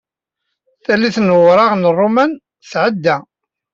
Tallit n Wureɣ n Ṛṛuman tɛedda.